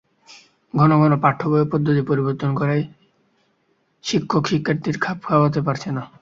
ঘন ঘন পাঠ্যবই ও পদ্ধতি পরিবর্তন করায় শিক্ষকশিক্ষার্থীরা খাপ খাওয়াতে পারছে না।